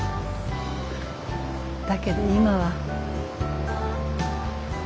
だけど今は。